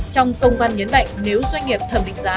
trong công văn nhấn mạnh nếu doanh nghiệp thẩm định giá